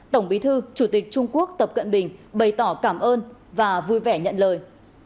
tổng bí thư chủ tịch trung quốc tập cận bình bày tỏ cảm ơn và vui vẻ nhận lời